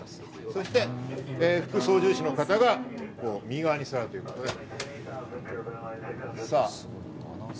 そして副操縦士の方が右側に座るということです。